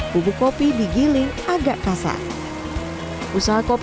bubuk kopi digiling agak kasar usaha kopi